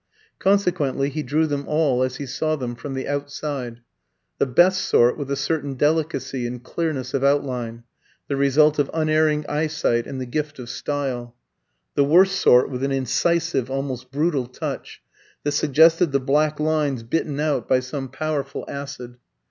Consequently he drew them all, as he saw them, from the outside; the best sort with a certain delicacy and clearness of outline, the result of unerring eyesight and the gift of style; the worst sort with an incisive, almost brutal touch that suggested the black lines bitten out by some powerful acid.